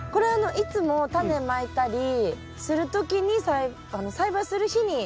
いつもタネまいたりする時に栽培する日にやってましたよね。